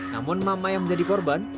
namun mama yang menjadi korban